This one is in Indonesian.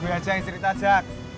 aku aja yang ceritanya